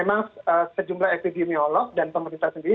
memang sejumlah epidemiolog dan pemerintah sendiri